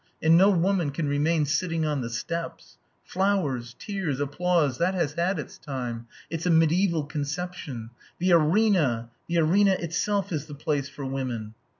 And no woman can remain sitting on the steps. Flowers, tears, applause that has had its time; it's a mediaeval conception. The arena, the arena itself is the place for women!"